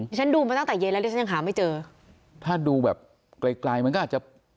ฉันดูมาตั้งแต่เย็นแล้วดิฉันยังหาไม่เจอถ้าดูแบบไกลไกลมันก็อาจจะ